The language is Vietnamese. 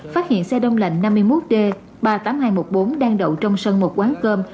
phát hiện xe đông lạnh năm mươi một d ba mươi tám nghìn hai trăm một mươi bốn đang đậu trong sân một quán cơm